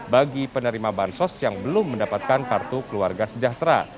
bagi penerima bansos yang belum mendapatkan kartu keluarga sejahtera